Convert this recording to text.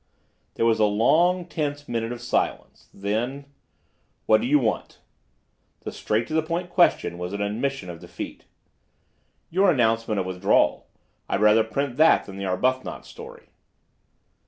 There was a long, tense minute of silence. Then— "What do you want?" The straight to the point question was an admission of defeat. "Your announcement of withdrawal. I'd rather print that than the Arbuthnot story."